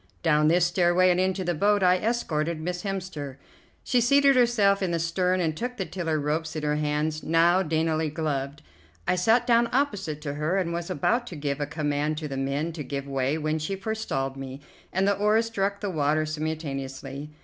Down this stairway and into the boat I escorted Miss Hemster. She seated herself in the stern and took the tiller ropes in her hands, now daintily gloved. I sat down opposite to her and was about to give a command to the men to give way when she forestalled me, and the oars struck the water simultaneously.